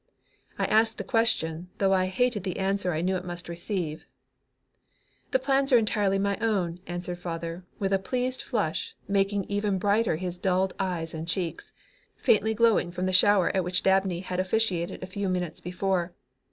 I asked the question, though I hated the answer I knew it must receive. "The plans are entirely my own," answered father, with a pleased flush making even brighter his dulled eyes and cheeks, faintly glowing from the shower at which Dabney had officiated a few minutes before.